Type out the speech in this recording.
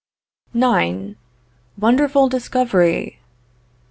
IX. WONDERFUL DISCOVERY!